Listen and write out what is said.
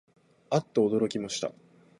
あっとおどろきました